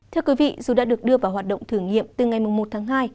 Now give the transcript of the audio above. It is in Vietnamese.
thưa quý vị dù đã được đưa vào hoạt động thử nghiệm từ ngày một tháng hai